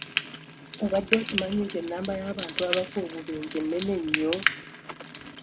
Obadde okimanyi nti enamba y'abantu abafa obubenje nnene nnyo?